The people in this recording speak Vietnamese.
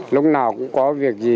lúc nào cũng có việc gì